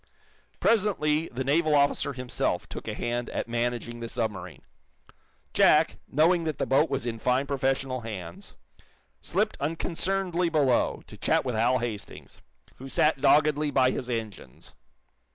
Presently, the naval officer himself took a hand at managing the submarine. Jack, knowing that the boat was in fine professional hands, slipped unconcernedly below, to chat with Hal Hastings, who sat doggedly by his engines.